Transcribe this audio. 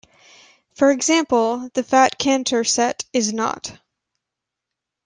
For example, the fat Cantor set is not.